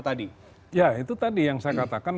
tadi ya itu tadi yang saya katakan